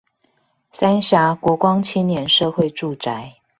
三峽國光青年社會住宅